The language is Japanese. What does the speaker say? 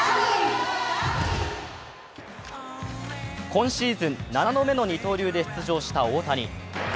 今シーズン７度目の二刀流で出場した大谷。